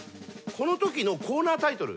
このときのコーナータイトル